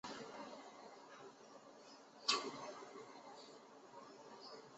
出身韦氏贵族。